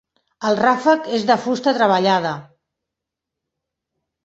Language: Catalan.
El ràfec és de fusta treballada.